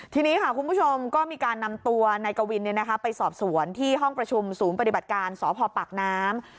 ทีนี้ค่ะคุณผู้ชมก็มีการนำตัวนายกวินไปสอบสวนที่ห้องประชุมศูนย์ปฏิบัติการสพปากน้ำ